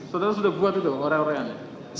saudara sudah buat itu orang orangnya